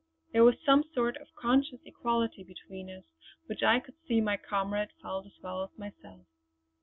There was some sort of conscious equality between us which I could see my comrade felt as well as myself.